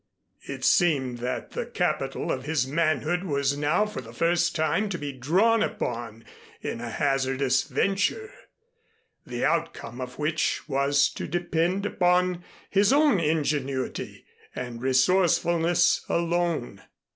It seemed that the capital of his manhood was now for the first time to be drawn upon in a hazardous venture, the outcome of which was to depend upon his own ingenuity and resourcefulness alone.